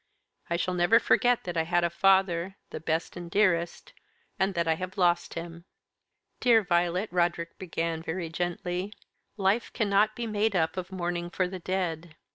I shall never forget that I had a father the best and dearest and that I have lost him." "Dear Violet," Roderick began, very gently, "life cannot be made up of mourning for the dead.